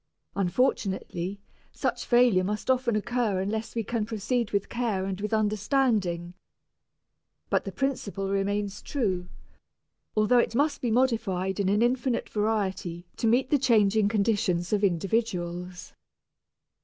Unfortunately, such failure must often occur unless we can proceed with care and with understanding. But the principle remains true, although it must be modified in an infinite variety to meet the changing conditions of individuals.